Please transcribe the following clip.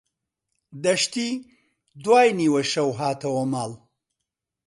دەشتی دوای نیوەشەو هاتەوە ماڵ.